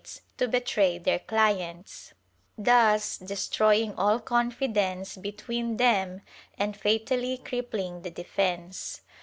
44 TSE TRIAL [Book VI betray their clients, thus destroying all confidence between them and fatally crippling the defence.